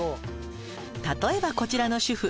例えばこちらの主婦。